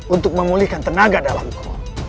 untuk memulihkan tenaga dalamku